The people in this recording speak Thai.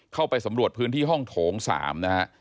เข้าไปสำรวจพื้นที่ห้องโถง๓นะฮะ